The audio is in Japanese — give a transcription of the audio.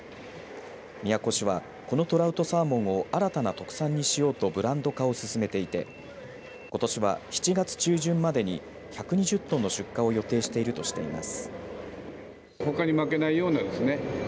宮古市はこのトラウトサーモンを新たな特産にしようとブランド化を進めていてことしは７月中旬までに１２０トンの出荷を予定しているとしています。